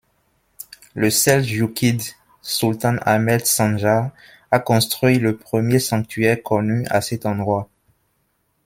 Le seldjoukide sultan Ahmed Sanjar a construit le premier sanctuaire connu à cet endroit.